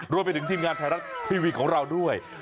รวมไปถึงทีมงานไทยรัฐทีวีของเราด้วย